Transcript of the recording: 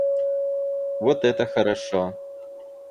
Вот это хорошо!